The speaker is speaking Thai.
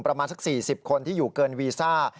ประมาณสัก๔๐คนที่อยู่เกินวีซ่า